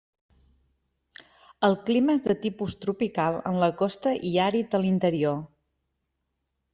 El clima és de tipus tropical en la costa i àrid a l'interior.